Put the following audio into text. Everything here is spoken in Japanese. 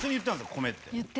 米って。